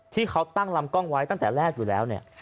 ที่เขาตั้งลำกล้องไว้ตั้งแต่แรกอยู่แล้วเนี่ย